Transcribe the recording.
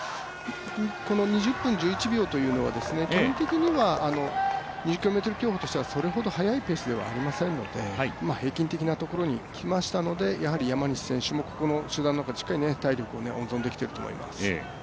２０分１１秒というのは基本的には２０ｋｍ競歩としてはそれほど速いペースではありませんので平均的なところにきましたので山西選手もこの集団の中でしっかりと体力を温存できていると思います。